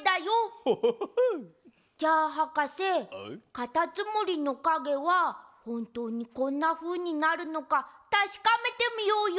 かたつむりのかげはほんとうにこんなふうになるのかたしかめてみようよ。